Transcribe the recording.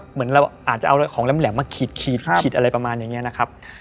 เหมือนเราอาจจะเอาของแหลมมาขีดขีดอะไรประมาณอย่างนี้นะครับ